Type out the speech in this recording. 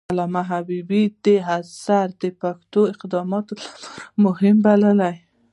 علامه حبيبي دا اثر د پښتو د قدامت لپاره مهم وباله.